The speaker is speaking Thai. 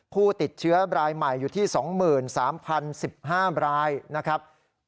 ผู้ติดเชื้อรายใหม่อยู่ที่๒๓๐๑๕รายนะครับ